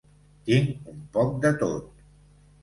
Tinc un poc de tot.